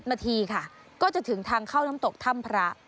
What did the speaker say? นาทีค่ะก็จะถึงทางเข้าน้ำตกถ้ำพระ